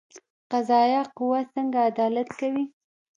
قضایه قوه څنګه عدالت کوي؟